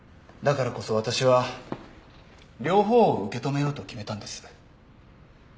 だからこそ私は両方を受け止めようと決めたんです。